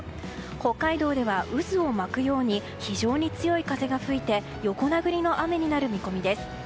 北海道では渦を巻くように非常に強い風が吹いて横殴りの雨になる見込みです。